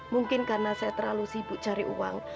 mungkin karena saya terlalu sibuk cari uang